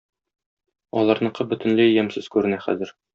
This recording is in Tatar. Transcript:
Аларныкы бөтенләй ямьсез күренә хәзер.